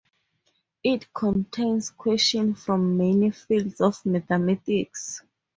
It contains questions from many fields of mathematics.